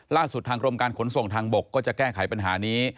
ล่าสุดทางกรมการขนส่งทางบกก็จะแก้ไขปัญหานี้